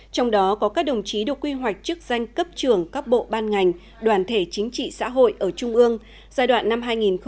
trong đó có các đồng chí được quy hoạch chức danh cấp trưởng các bộ ban ngành đoàn thể chính trị xã hội ở trung ương giai đoạn năm hai nghìn hai mươi một hai nghìn hai mươi